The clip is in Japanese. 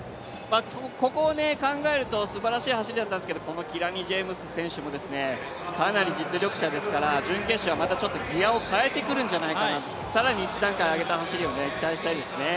ここを考えるとすばらしい走りだったんですけれどもこのキラニ・ジェームス選手もかなり実力者ですから、準決勝はまたちょっとギアを変えてくるんじゃないかなと、更に１段回上げた走りを期待したいですね。